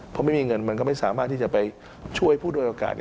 เพราะไม่มีเงินมันก็ไม่สามารถที่จะไปช่วยผู้โดยโอกาส